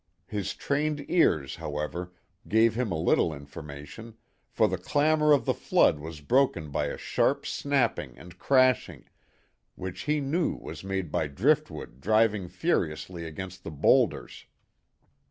His trained ears, however, gave him a little information, for the clamour of the flood was broken by a sharp snapping and crashing, which he knew was made by driftwood driving furiously against the boulders.